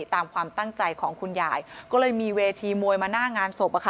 ตามความตั้งใจของคุณยายก็เลยมีเวทีมวยมาหน้างานศพอะค่ะ